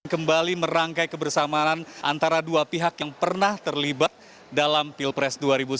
kembali merangkai kebersamaan antara dua pihak yang pernah terlibat dalam pilpres dua ribu sembilan belas